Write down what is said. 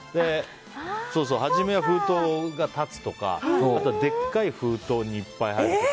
初めは封筒が立つとかあとでっかい封筒にいっぱい入ってたりとか